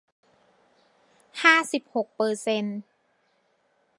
ห้าสิบหกเปอร์เซนต์